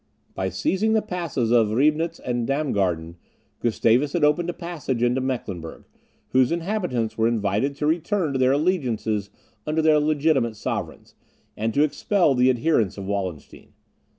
By seizing the passes of Riebnitz and Damgarden, Gustavus had opened a passage into Mecklenburg, whose inhabitants were invited to return to their allegiance under their legitimate sovereigns, and to expel the adherents of Wallenstein.